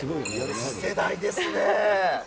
次世代ですね。